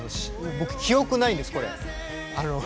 僕記憶ないんですこれ。